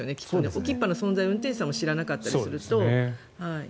ＯＫＩＰＰＡの存在を運転手さんも知らなかったりすると。